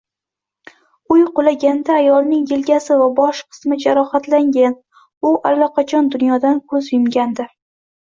Uy qulaganda ayolning yelkasi va bosh qismi jarohatlangan, u allaqachon dunyodan koʻz yumgandi